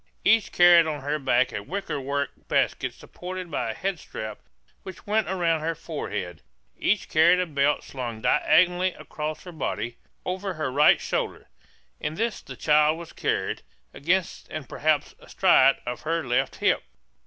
Each carried on her back a wickerwork basket supported by a head strap which went around her forehead. Each carried a belt slung diagonally across her body, over her right shoulder; in this the child was carried, against and perhaps astride of her left hip.